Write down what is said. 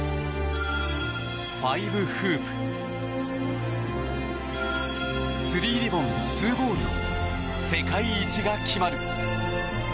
５フープ３リボン・２ボールの世界一が決まる。